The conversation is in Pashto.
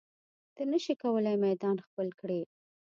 ته نشې کولی میدان خپل کړې.